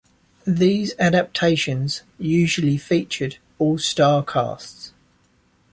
These adaptations usually featured all-star casts.